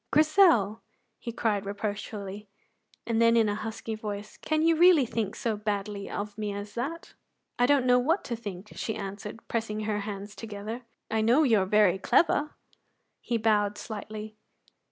"Grizel!" he cried reproachfully, and then in a husky voice: "Can you really think so badly of me as that?" "I don't know what to think," she answered, pressing her hands together, "I know you are very clever." He bowed slightly.